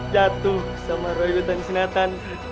jatuh sama rakyat dan si natan